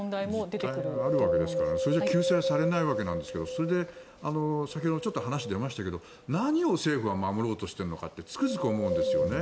実態があるわけですから救済されないわけなんですけど先ほど話に出ましたけど何を政府は守ろうとしているのかってつくづく思うんですよね。